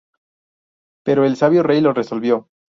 Pero el sabio rey lo resolvió.